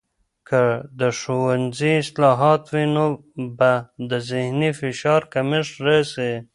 که د ښوونځي اصلاحات وي، نو به د ذهني فشار کمښت راسي.